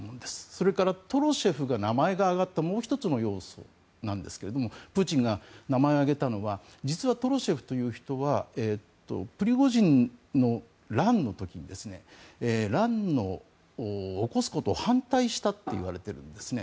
それからトロシェフが名前が挙がったもう１つの要素なんですがプーチンが名前を挙げたのは実はトロシェフという人はプリゴジンの乱の時に乱を起こすことを反対したといわれているんですね。